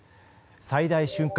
最大瞬間